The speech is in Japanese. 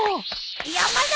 山田！